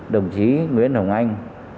đồng chí nguyễn hồng anh